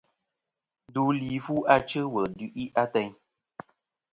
Ndu li fu achɨ wul du'i ateyn.